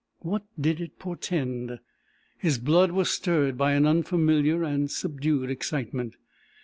What did it portend? His blood was stirred by an unfamiliar and subdued excitement.